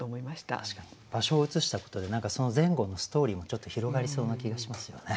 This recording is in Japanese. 確かに場所を移したことでその前後のストーリーもちょっと広がりそうな気がしますよね。